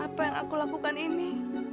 apa yang aku lakukan ini